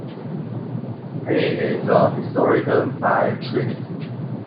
He is a historian by training.